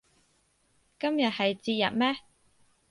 今日係節日咩